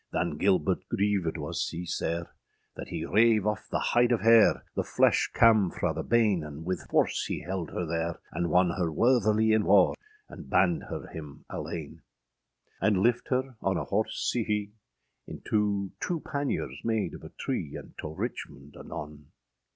Than Gilbert grievèd was sea sare, That hee rave off the hyde of haire; The flesh cam fra the bane, And wyth force hee held her ther, And wanne her worthilie in warre, And band her hym alane; And lifte her on a horse sea hee, Into two panyers made of a tree, And toe Richmond anon.